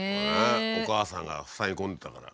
お母さんがふさぎ込んでたから。